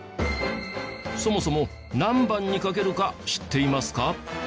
そもそも何番にかけるか知っていますか？